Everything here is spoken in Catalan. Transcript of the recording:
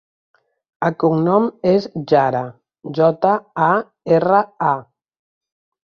El cognom és Jara: jota, a, erra, a.